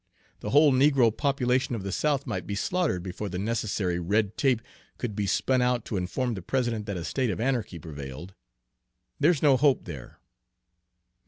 The whole negro population of the South might be slaughtered before the necessary red tape could be spun out to inform the President that a state of anarchy prevailed. There's no hope there."